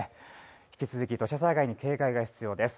引き続き土砂災害に警戒が必要です。